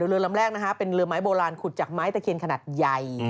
เรือลำแรกเป็นเรือไม้โบราณขุดจากไม้ตะเคียนขนาดใหญ่